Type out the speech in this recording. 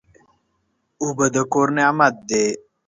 اوبه د کور نعمت دی.